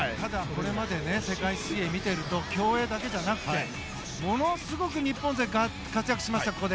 これまで世界水泳を見ていると競泳だけじゃなくてものすごく日本勢活躍しました。